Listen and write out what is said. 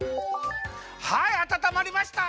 はいあたたまりました。